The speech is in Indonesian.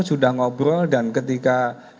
sudah ngobrol dan ketika